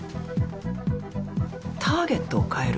ターゲットを変える。